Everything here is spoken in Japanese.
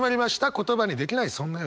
「言葉にできない、そんな夜。」。